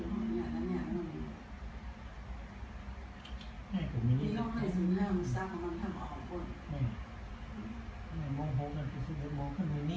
เอ้ารังมาจะแยกเอาเสื้อออกในเป็ดถุงเสื้ออะไรอ่ะ